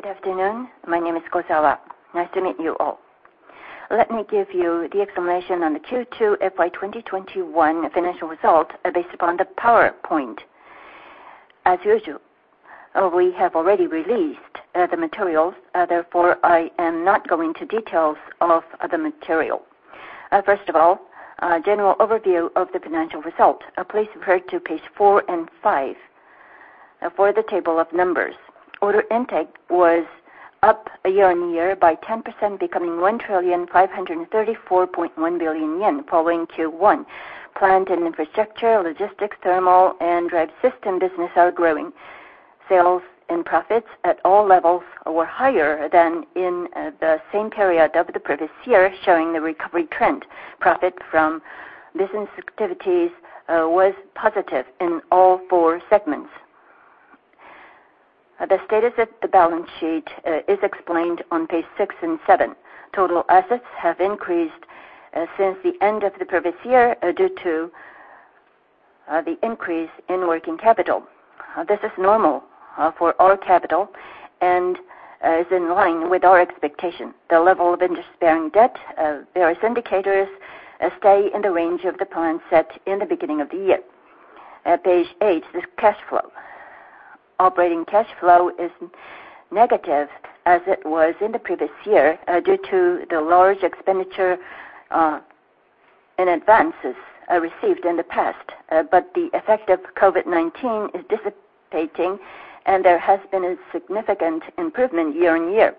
Good afternoon. My name is Kozawa. Nice to meet you all. Let me give you the explanation on the Q2 FY 2021 financial result based upon the PowerPoint. As usual, we have already released the materials, therefore I am not going to details of the material. First of all, general overview of the financial result. Please refer to page 4 and 5 for the table of numbers. Order intake was up year-on-year by 10% becoming 1,534.1 billion yen following Q1. Plant and infrastructure, logistics, thermal, and drive system business are growing. Sales and profits at all levels were higher than in the same period of the previous year, showing the recovery trend. Profit from business activities was positive in all four segments. The status of the balance sheet is explained on page six and seven. Total assets have increased since the end of the previous year due to the increase in working capital. This is normal for our capital and is in line with our expectation. The level of interest-bearing debt, various indicators, stay in the range of the plan set in the beginning of the year. At page eight is cash flow. Operating cash flow is negative as it was in the previous year due to the large expenditure and advances received in the past. The effect of COVID-19 is dissipating and there has been a significant improvement year-on-year.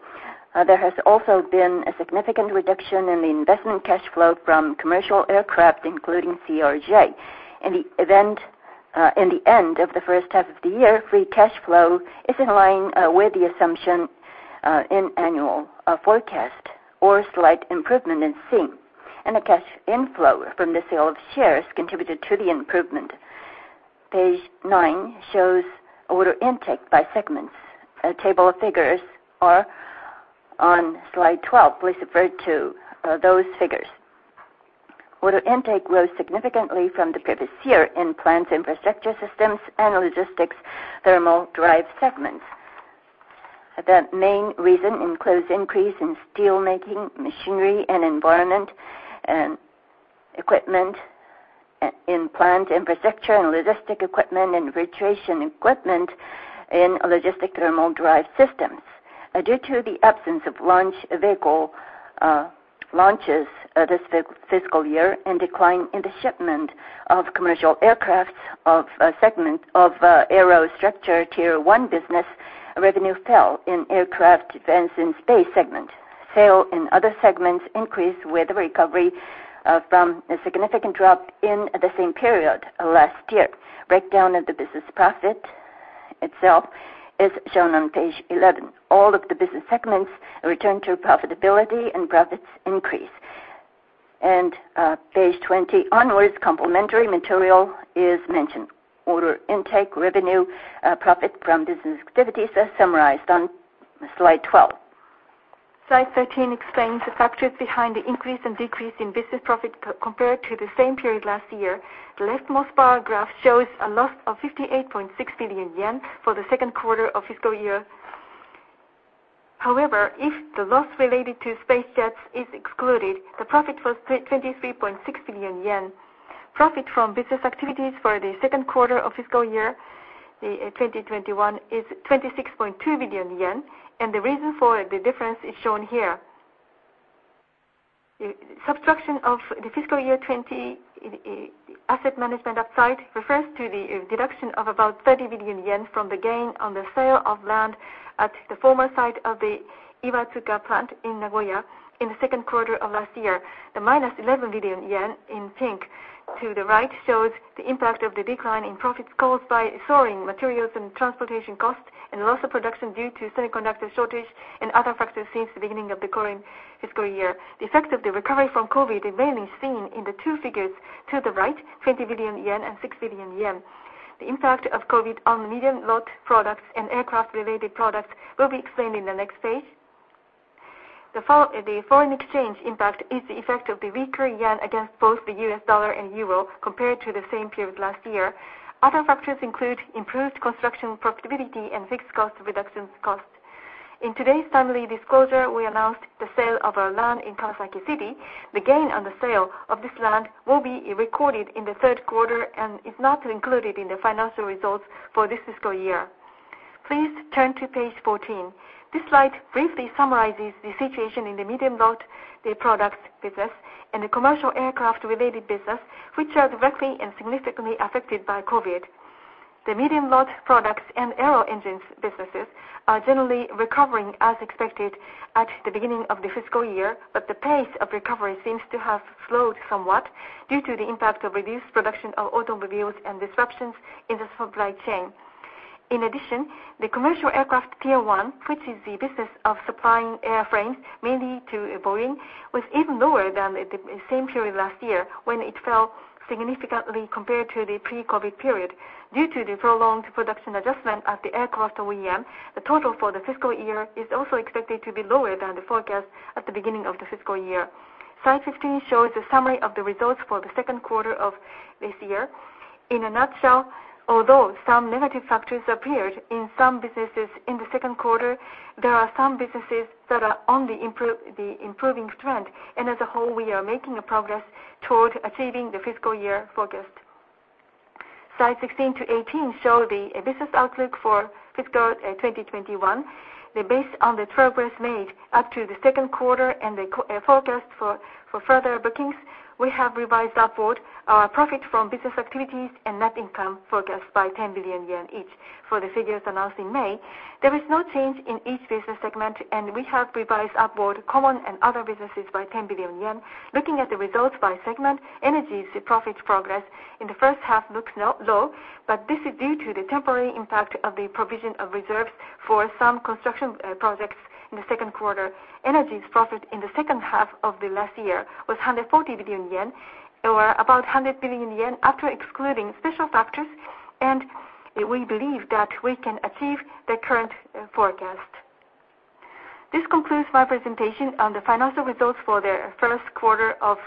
There has also been a significant reduction in the investment cash flow from commercial aircraft, including CRJ. In the end of the first half of the year, free cash flow is in line with the assumption in annual forecast or slight improvement in same. The cash inflow from the sale of shares contributed to the improvement. Page 9 shows order intake by segments. A table of figures is on slide 12. Please refer to those figures. Order intake rose significantly from the previous year in Plant & Infrastructure Systems and Logistics, Thermal & Drive Systems segments. The main reason includes increase in steelmaking machinery and environmental equipment in Plant & Infrastructure and logistic equipment and refrigeration equipment in Logistics, Thermal & Drive Systems. Due to the absence of launch vehicle launches this fiscal year and decline in the shipment of commercial aircraft of segment of Aero Structures Tier 1 business, revenue fell in Aircraft, Defense and Space segment. Sales in other segments increased with the recovery from a significant drop in the same period last year. Breakdown of the business profit itself is shown on page 11. All of the business segments return to profitability and profits increase. Page 20 onwards, complementary material is mentioned. Order intake, revenue, profit from business activities are summarized on slide 12. Slide 13 explains the factors behind the increase and decrease in business profit compared to the same period last year. The leftmost bar graph shows a loss of 58.6 billion yen for the second quarter of fiscal year. However, if the loss related to SpaceJet is excluded, the profit was 23.6 billion yen. Profit from business activities for the second quarter of fiscal year 2021 is 26.2 billion yen, and the reason for the difference is shown here. Subtraction of the fiscal year 2020 asset management upside refers to the deduction of about 30 billion yen from the gain on the sale of land at the former site of the Iwatsuka plant in Nagoya in the second quarter of last year. The -11 billion yen in pink to the right shows the impact of the decline in profits caused by soaring materials and transportation costs and loss of production due to semiconductor shortage and other factors since the beginning of the current fiscal year. The effect of the recovery from COVID is mainly seen in the two figures to the right, 20 billion yen and 6 billion yen. The impact of COVID on medium lot products and aircraft related products will be explained in the next page. The foreign exchange impact is the effect of the weaker yen against both the U.S. dollar and euro compared to the same period last year. Other factors include improved construction profitability and fixed cost reductions cost. In today's timely disclosure, we announced the sale of our land in Kawasaki City. The gain on the sale of this land will be recorded in the third quarter and is not included in the financial results for this fiscal year. Please turn to page 14. This slide briefly summarizes the situation in the medium lot products business and the commercial aircraft related business, which are directly and significantly affected by COVID-19. The medium lot products and aero engines businesses are generally recovering as expected at the beginning of the fiscal year, but the pace of recovery seems to have slowed somewhat due to the impact of reduced production of automobiles and disruptions in the supply chain. In addition, the commercial aircraft Tier 1, which is the business of supplying airframes mainly to Boeing, was even lower than at the same period last year, when it fell significantly compared to the pre-COVID-19 period. Due to the prolonged production adjustment at the aircraft OEM, the total for the fiscal year is also expected to be lower than the forecast at the beginning of the fiscal year. Slide 15 shows the summary of the results for the second quarter of this year. In a nutshell, although some negative factors appeared in some businesses in the second quarter, there are some businesses that are on the improving trend. As a whole, we are making progress toward achieving the fiscal year forecast. Slide 16 to 18 show the business outlook for fiscal 2021. Based on the progress made up to the second quarter and the forecast for further bookings, we have revised upward our profit from business activities and net income forecast by 10 billion yen each for the figures announced in May. There is no change in each business segment, and we have revised upward common and other businesses by 10 billion yen. Looking at the results by segment, Energy's profit progress in the first half looks low, but this is due to the temporary impact of the provision of reserves for some construction projects in the second quarter. Energy's profit in the second half of the last year was 140 billion yen, or about 100 billion yen after excluding special factors, and we believe that we can achieve the current forecast. This concludes my presentation on the financial results for the first quarter of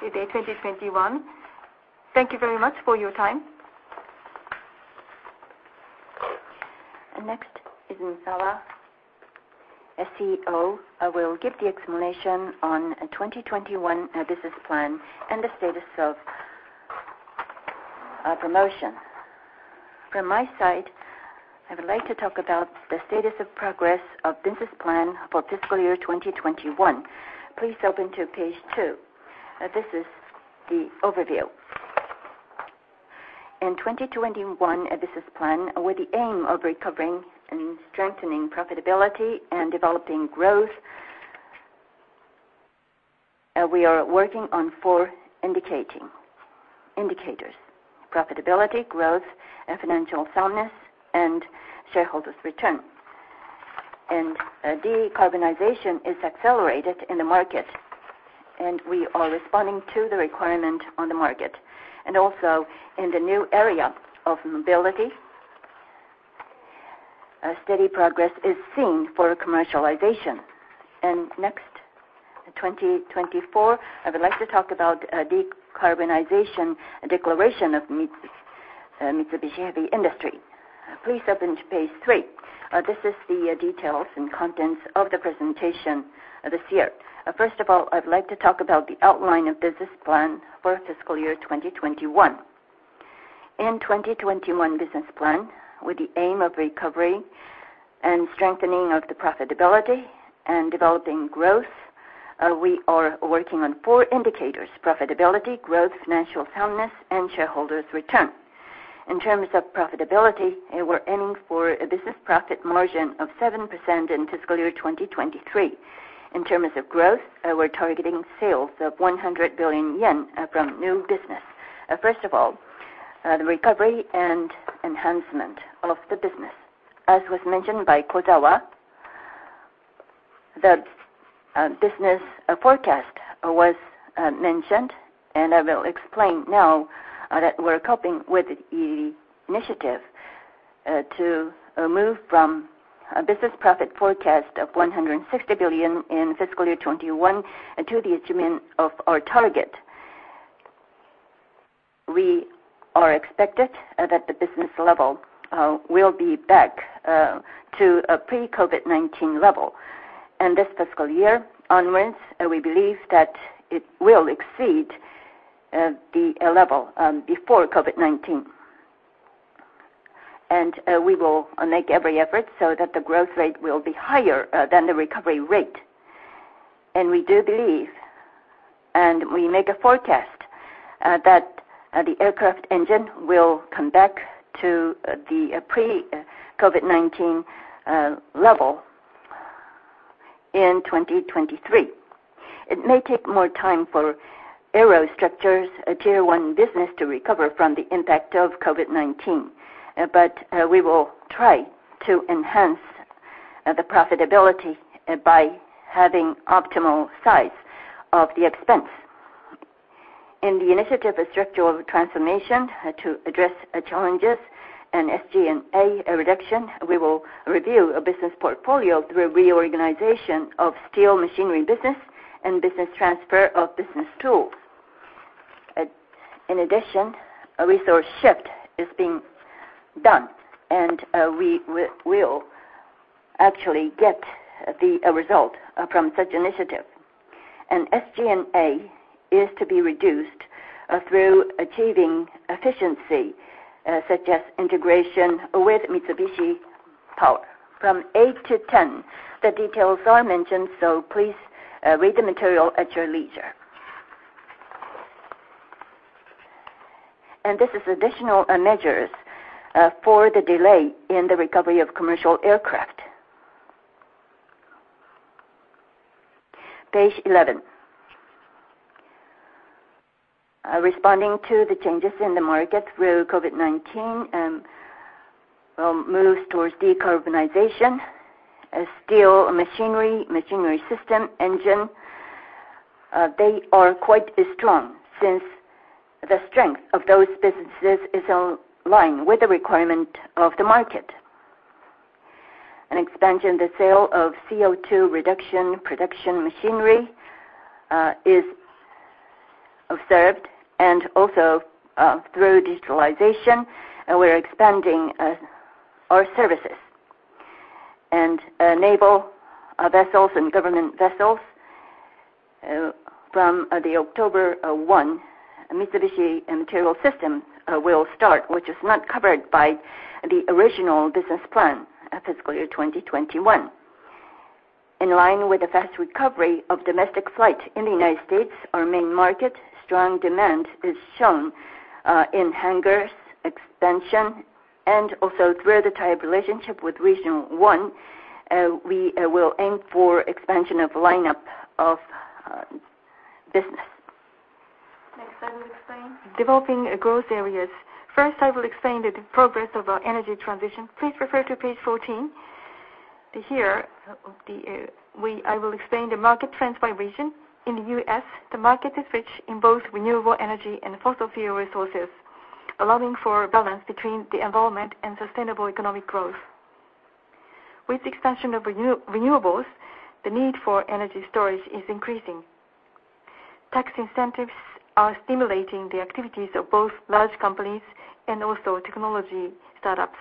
FY 2021. Thank you very much for your time. Next is Misawa, CEO, will give the explanation on a 2021 business plan and the status of promotion. From my side, I would like to talk about the status of progress of business plan for fiscal year 2021. Please open to page 2. This is the overview. In 2021 business plan, with the aim of recovering and strengthening profitability and developing growth, we are working on four indicators, profitability, growth, financial soundness, and shareholders' return. Decarbonization is accelerated in the market, and we are responding to the requirement on the market. Also, in the new area of mobility, a steady progress is seen for commercialization. Next, 2024, I would like to talk about decarbonization declaration of Mitsubishi Heavy Industries. Please open to page 3. This is the details and contents of the presentation this year. First of all, I'd like to talk about the outline of business plan for fiscal year 2021. In 2021 business plan, with the aim of recovery and strengthening of the profitability and developing growth, we are working on four indicators: profitability, growth, financial soundness, and shareholders' return. In terms of profitability, we're aiming for a business profit margin of 7% in fiscal year 2023. In terms of growth, we're targeting sales of 100 billion yen from new business. First of all, the recovery and enhancement of the business. As was mentioned by Kozawa, the business forecast was mentioned, and I will explain now that we're coping with the initiative to move from a business profit forecast of 160 billion in fiscal year 2021 to the achievement of our target. We are expected that the business level will be back to a pre-COVID-19 level. This fiscal year onwards, we believe that it will exceed the level before COVID-19. We will make every effort so that the growth rate will be higher than the recovery rate. We do believe, and we make a forecast that the aircraft engine will come back to the pre-COVID-19 level in 2023. It may take more time for Aero Structures, a Tier 1 business, to recover from the impact of COVID-19. We will try to enhance the profitability by having optimal size of the expense. In the initiative structural transformation to address challenges and SG&A reduction, we will review a business portfolio through reorganization of steel machinery business and business transfer of machine tools. In addition, a resource shift is being done, and we will actually get the result from such initiative. SG&A is to be reduced through achieving efficiency, such as integration with Mitsubishi Power from 8 to 10. The details are mentioned, so please read the material at your leisure. This is additional measures for the delay in the recovery of commercial aircraft. Page 11. Responding to the changes in the market through COVID-19, moves towards decarbonization. Steel machinery system, engine, they are quite strong since the strength of those businesses is aligned with the requirement of the market. An expansion, the sale of CO2 reduction production machinery, is observed and also, through digitalization, and we're expanding our services. Naval vessels and government vessels from October 1, Mitsubishi Heavy Industries Maritime Systems will start, which is not covered by the original business plan at fiscal year 2021. In line with the fast recovery of domestic flight in the United States, our main market, strong demand is shown in hangars expansion and also through the tight relationship with Regional One, we will aim for expansion of lineup of business. Next, I will explain developing growth areas. First, I will explain the progress of our energy transition. Please refer to page 14. Here, I will explain the market trends by region. In the U.S., the market is rich in both renewable energy and fossil fuel resources, allowing for a balance between the environment and sustainable economic growth. With expansion of renewables, the need for energy storage is increasing. Tax incentives are stimulating the activities of both large companies and also technology startups.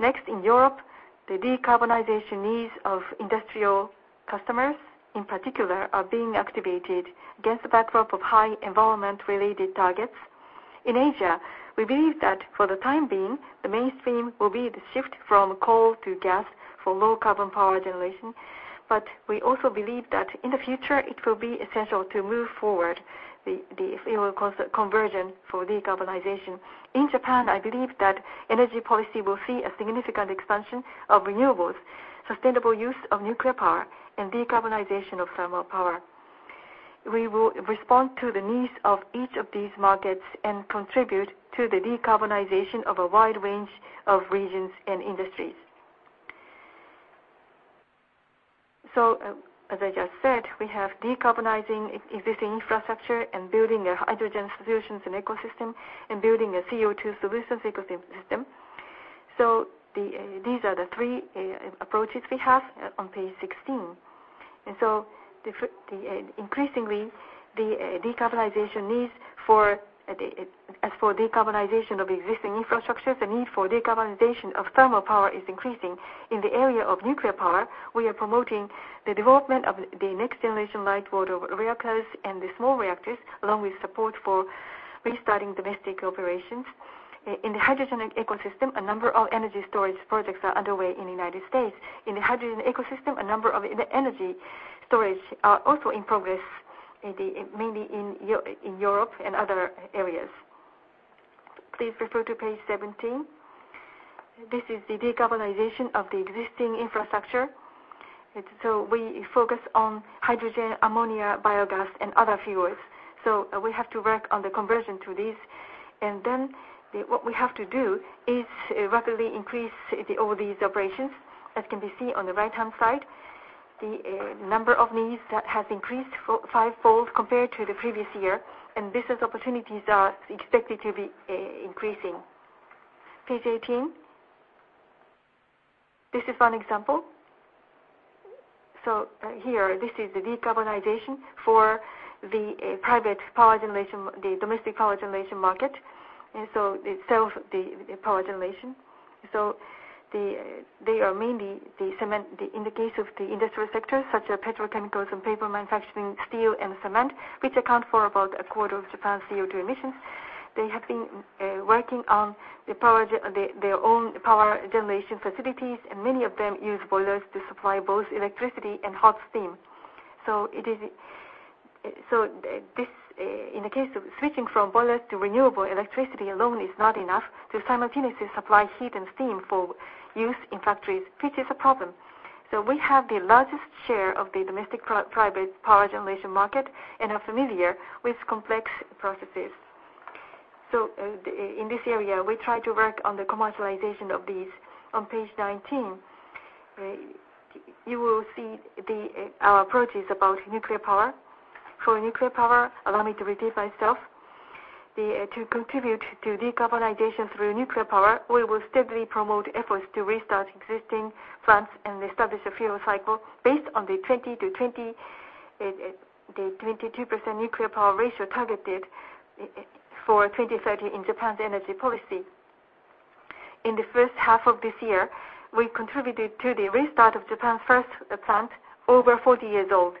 Next, in Europe, the decarbonization needs of industrial customers, in particular, are being activated against the backdrop of high environment-related targets. In Asia, we believe that for the time being, the mainstream will be the shift from coal to gas for low carbon power generation. We also believe that in the future it will be essential to move forward the fuel conversion for decarbonization. In Japan, I believe that energy policy will see a significant expansion of renewables, sustainable use of nuclear power and decarbonization of thermal power. We will respond to the needs of each of these markets and contribute to the decarbonization of a wide range of regions and industries. As I just said, we have decarbonizing existing infrastructure and building hydrogen solutions and ecosystem and building a CO2 solutions ecosystem. These are the three approaches we have on page 16. Increasingly, the decarbonization needs, as for decarbonization of existing infrastructure, the need for decarbonization of thermal power is increasing. In the area of nuclear power, we are promoting the development of the next generation light water reactors and the small reactors, along with support for restarting domestic operations. In the hydrogen ecosystem, a number of energy storage projects are underway in the United States. In the hydrogen ecosystem, a number of energy storage are also in progress, mainly in Europe and other areas. Please refer to page 17. This is the decarbonization of the existing infrastructure. We focus on hydrogen, ammonia, biogas and other fuels. We have to work on the conversion to these. What we have to do is rapidly increase all these operations. As can be seen on the right-hand side, the number of needs has increased fivefold compared to the previous year, and business opportunities are expected to be increasing. Page 18. This is one example. Here, this is the decarbonization for the private power generation, the domestic power generation market. It sells the power generation. They are mainly the cement in the case of the industrial sectors, such as petrochemicals and paper manufacturing, steel and cement, which account for about a quarter of Japan's CO2 emissions. They have been working on their own power generation facilities, and many of them use boilers to supply both electricity and hot steam. In the case of switching from boilers to renewable electricity alone is not enough to simultaneously supply heat and steam for use in factories, which is a problem. We have the largest share of the domestic private power generation market and are familiar with complex processes. In this area, we try to work on the commercialization of these. On page 19, you will see our approaches about nuclear power. For nuclear power, allow me to repeat myself. To contribute to decarbonization through nuclear power, we will steadily promote efforts to restart existing plants and establish a fuel cycle based on the 22% nuclear power ratio targeted for 2030 in Japan's energy policy. In the first half of this year, we contributed to the restart of Japan's first plant over 40 years old.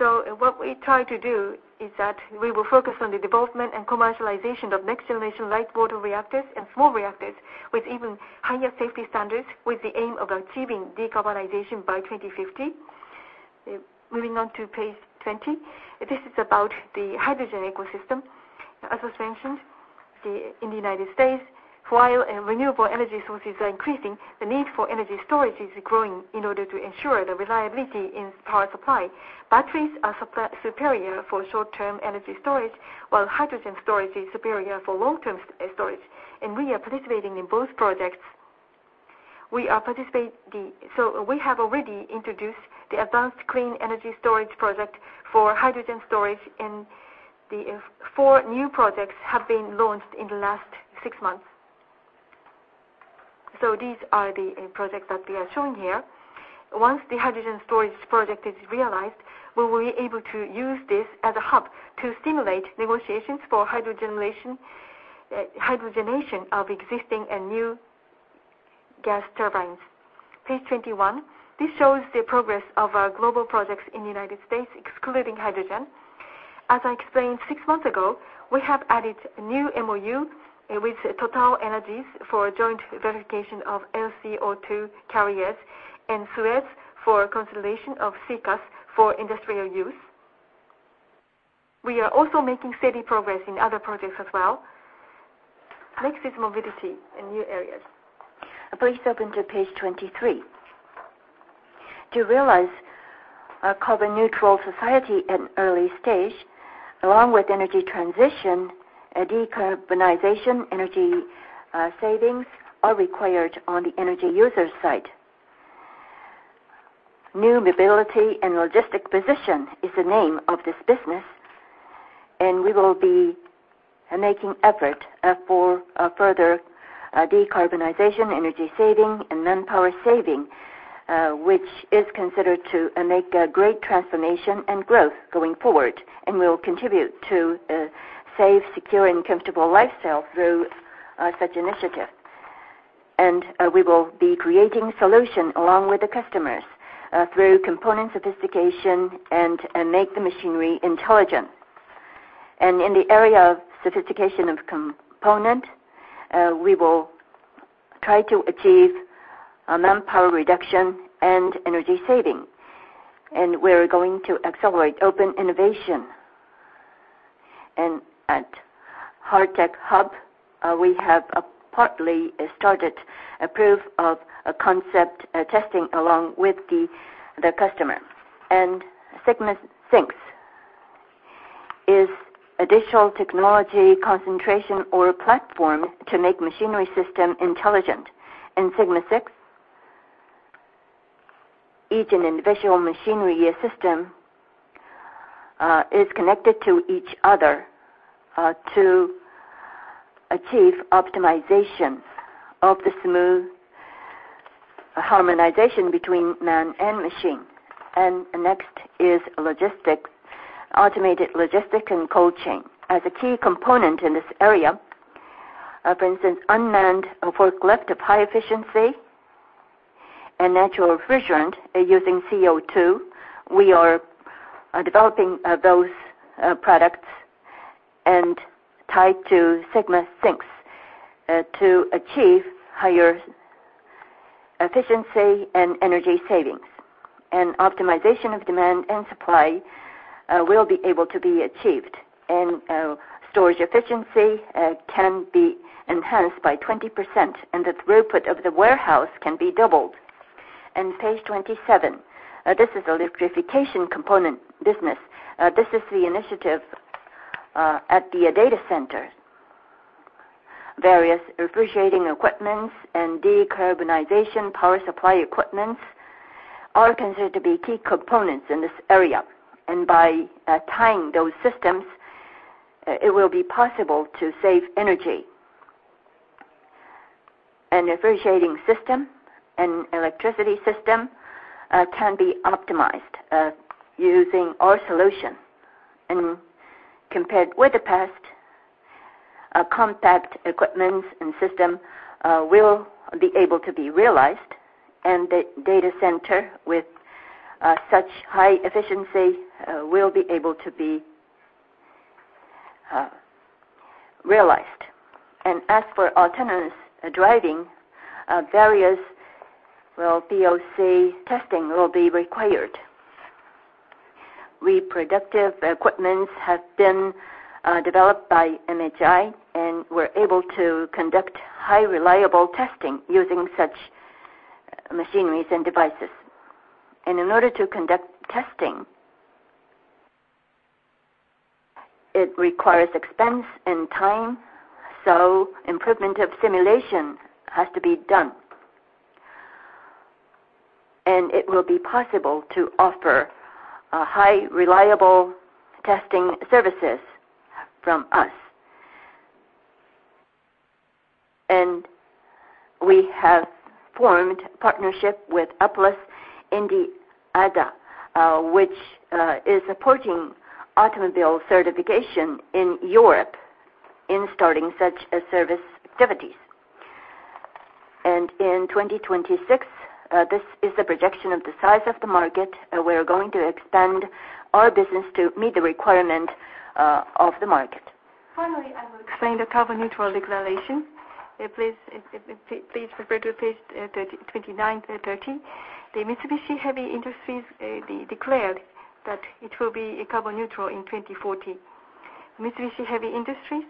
What we try to do is that we will focus on the development and commercialization of next-generation light water reactors and small reactors with even higher safety standards, with the aim of achieving decarbonization by 2050. Moving on to page 20. This is about the hydrogen ecosystem. As was mentioned in the United States, while renewable energy sources are increasing, the need for energy storage is growing in order to ensure the reliability in power supply. Batteries are superior for short-term energy storage, while hydrogen storage is superior for long-term storage, and we are participating in both projects. We have already introduced the Advanced Clean Energy Storage project for hydrogen storage in- The four new projects have been launched in the last six months. These are the projects that we are showing here. Once the hydrogen storage project is realized, we will be able to use this as a hub to stimulate negotiations for hydrogenation of existing and new gas turbines. Page 21. This shows the progress of our global projects in the United States, excluding hydrogen. As I explained six months ago, we have added new MOU with TotalEnergies for joint verification of LCO2 carriers and Suez for consolidation of CCUS for industrial use. We are also making steady progress in other projects as well. Next is mobility in new areas. Please open to page 23. To realize a carbon neutral society in early stage, along with energy transition, a decarbonization energy savings are required on the energy user side. New mobility and logistics position is the name of this business, and we will be making efforts for further decarbonization, energy saving, and manpower saving, which is considered to make a great transformation and growth going forward, and will contribute to a safe, secure, and comfortable lifestyle through such initiative. We will be creating solutions along with the customers through component sophistication and make the machinery intelligent. In the area of sophistication of components, we will try to achieve manpower reduction and energy saving. We're going to accelerate open innovation. At Hardtech Hub, we have partly started a proof of concept testing along with the customer. ΣSynX is a digital technology concentration or platform to make machinery systems intelligent. In ΣSynX, each individual machinery system is connected to each other to achieve optimization of the smooth harmonization between man and machine. Next is logistics, automated logistic and cold chain. As a key component in this area, for instance, unmanned forklift of high efficiency and natural refrigerant using CO2, we are developing those products and tied to ΣSynX to achieve higher efficiency and energy savings. Optimization of demand and supply will be able to be achieved, and storage efficiency can be enhanced by 20%, and the throughput of the warehouse can be doubled. Page 27. This is the electrification component business. This is the initiative at the data center. Various refrigerating equipment and decarbonization power supply equipment are considered to be key components in this area. By tying those systems, it will be possible to save energy. Refrigerating system and electricity system can be optimized using our solution. Compared with the past, compact equipments and system will be able to be realized, and the data center with such high efficiency will be able to be realized. As for autonomous driving, various POC testing will be required. Reproductive equipments have been developed by MHI, and we're able to conduct highly reliable testing using such machineries and devices. In order to conduct testing, it requires expense and time, so improvement of simulation has to be done. It will be possible to offer highly reliable testing services from us. We have formed partnership with Applus+ in the ADAS, which is supporting automobile certification in Europe in starting such a service activities. In 2026, this is the projection of the size of the market. We're going to expand our business to meet the requirement of the market. Finally, I will explain the carbon neutral declaration. Please refer to page 29 to 30. Mitsubishi Heavy Industries declared that it will be carbon neutral in 2040. Mitsubishi Heavy Industries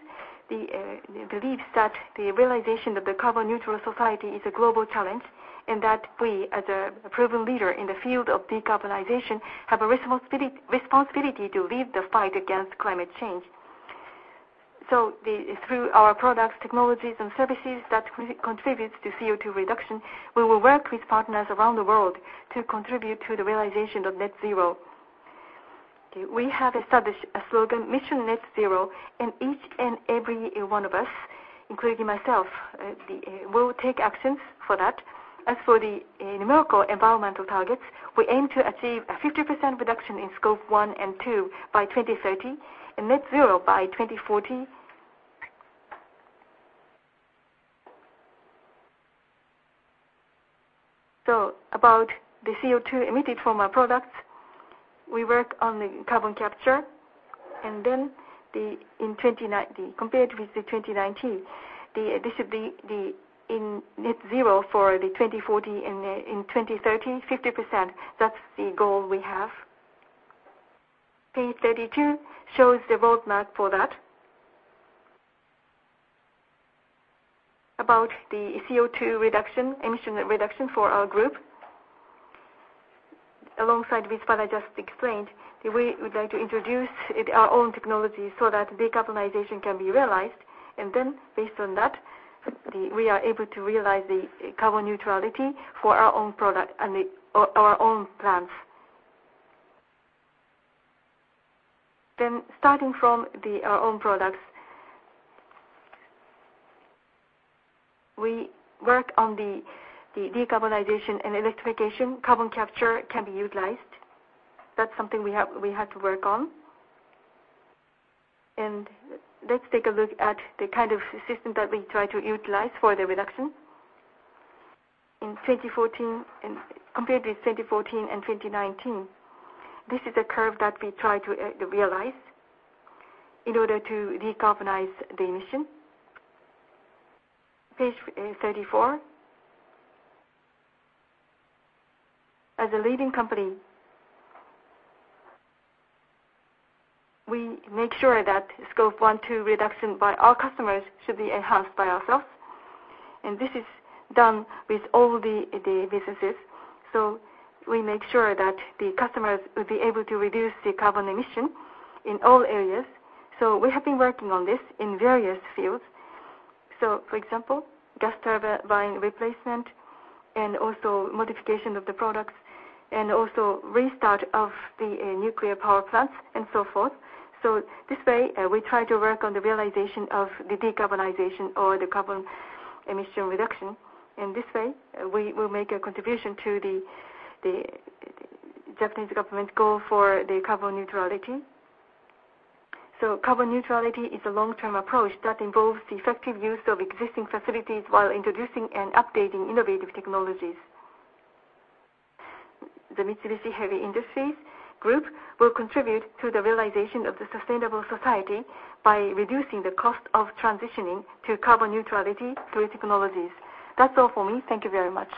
believes that the realization of the carbon neutral society is a global challenge and that we, as a proven leader in the field of decarbonization, have a responsibility to lead the fight against climate change. Through our products, technologies and services that contributes to CO2 reduction, we will work with partners around the world to contribute to the realization of net zero. We have established a slogan, Mission Net Zero, and each and every one of us, including myself, will take actions for that. As for the numerical environmental targets, we aim to achieve a 50% reduction in Scope 1 and 2 by 2030 and net zero by 2040. About the CO2 emitted from our products, we work on carbon capture. Compared with the 2019, this should be the in net zero for the 2040 and the, in 2030, 50%. That's the goal we have. Page 32 shows the roadmap for that. About the CO2 reduction, emission reduction for our group. Alongside with what I just explained, we would like to introduce our own technology so that decarbonization can be realized. Based on that, we are able to realize the carbon neutrality for our own product and the, our own plants. Starting from our own products. We work on the decarbonization and electrification. Carbon capture can be utilized. That's something we have, we had to work on. Let's take a look at the kind of system that we try to utilize for the reduction. Compared with 2014 and 2019, this is a curve that we try to realize in order to decarbonize the emission. Page 34. As a leading company, we make sure that Scope 1 and 2 reduction by our customers should be enhanced by ourselves, and this is done with all the businesses. We make sure that the customers will be able to reduce the carbon emission in all areas. We have been working on this in various fields. For example, gas turbine replacement and also modification of the products, and also restart of the nuclear power plants and so forth. This way, we try to work on the realization of the decarbonization or the carbon emission reduction, and this way we will make a contribution to the Japanese government goal for the carbon neutrality. Carbon neutrality is a long-term approach that involves the effective use of existing facilities while introducing and updating innovative technologies. The Mitsubishi Heavy Industries Group will contribute to the realization of the sustainable society by reducing the cost of transitioning to carbon neutrality through technologies. That's all for me. Thank you very much.